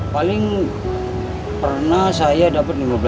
paling pernah saya dapat lima belas